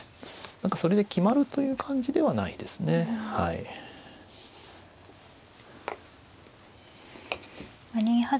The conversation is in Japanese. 何かそれで決まるという感じではないですねはい。